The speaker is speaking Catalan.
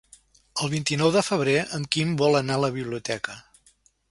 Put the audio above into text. El vint-i-nou de febrer en Quim vol anar a la biblioteca.